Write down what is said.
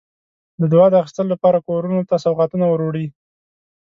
د دعا د اخیستلو لپاره کورونو ته سوغاتونه وروړي.